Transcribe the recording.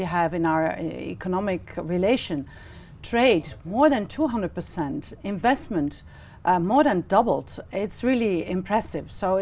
hai vấn đề rất quan trọng không chỉ cho việt nam và nhật bản nhưng cũng cho tất cả thế giới